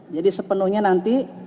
jadi sepenuhnya nanti